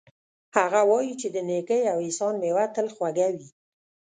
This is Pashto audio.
هغه وایي چې د نیکۍ او احسان میوه تل خوږه وي